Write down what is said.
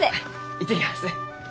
行ってきます。